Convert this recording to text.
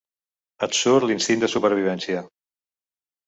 Et surt l’instint de supervivència.